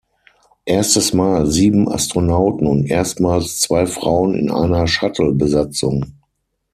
Erstes Mal sieben Astronauten und erstmals zwei Frauen in einer Shuttle-Besatzung.